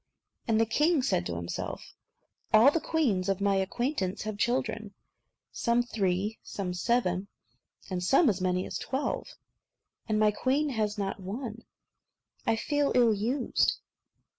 And the king said to himself, "All the queens of my acquaintance have children, some three, some seven, and some as many as twelve; and my queen has not one. I feel ill used."